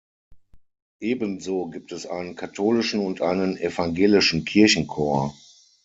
Ebenso gibt es einen katholischen und einen evangelischen Kirchenchor.